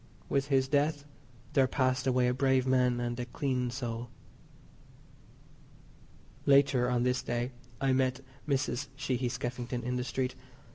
With his death there passed away a brave man and a clean soul. Later on this day I met Mrs. Sheehy Skeffington in the street.